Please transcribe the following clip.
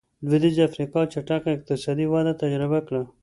لوېدیځې افریقا چټکه اقتصادي وده تجربه کړه.